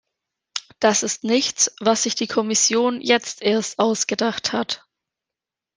Das ist nichts, was sich die Kommission jetzt erst ausgedacht hat.